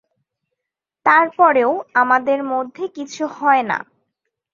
তারপরেও আমাদের মধ্যে কিছু হয়না।